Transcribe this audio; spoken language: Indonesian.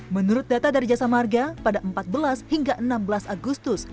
menurut data dari jasa marga pada empat belas hingga enam belas agustus